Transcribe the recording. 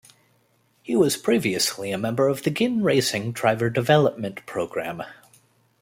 He was previously a member of the Ginn Racing driver development program.